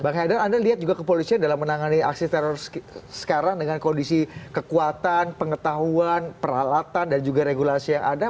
bang haidar anda lihat juga kepolisian dalam menangani aksi teror sekarang dengan kondisi kekuatan pengetahuan peralatan dan juga regulasi yang ada